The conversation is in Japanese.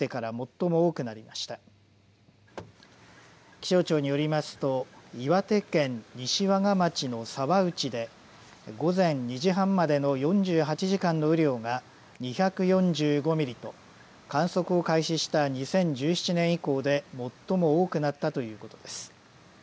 気象庁によりますと岩手県西和賀町の沢内で午前２時半までの４８時間の雨量が２４５ミリと観測を開始した２０１７年以降で最も多くなったということです。